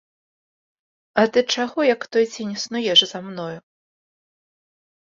А ты чаго, як той цень, снуеш за мною?